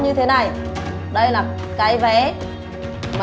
như thế là rất là nguy hiểm